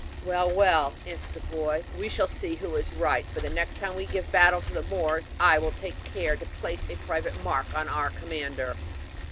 'Well, well,' answered the boy, 'we shall see who is right; but the next time we give battle to the Moors I will take care to place a private mark on our commander.'